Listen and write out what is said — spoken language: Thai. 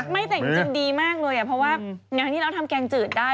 ไม่แต่งจนดีมากเลยเพราะวันนี้เราทำแกงจืดได้